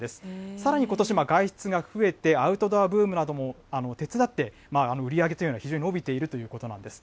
さらにことし、外出が増えてアウトドアブームなども手伝って、売り上げというのは非常に伸びているということなんです。